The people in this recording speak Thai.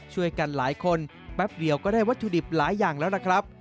ช่วยกันหลายคนแป๊บเดียวก็ได้วัตถุดิบหลายอย่างแล้วนะครับ